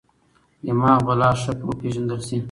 دماغ به لا ښه وپېژندل شي.